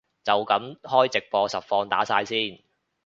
就噉開直播實況打晒先